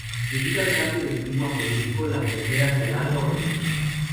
Debido al cambio del clima político, la frontera se alarga o reduce.